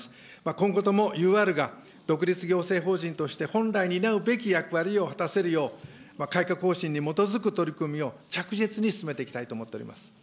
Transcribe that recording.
今後ともＵＲが独立行政法人として本来担うべき役割を果たせるよう、改革方針に基づく取り組みを着実に進めていきたいと思っておりま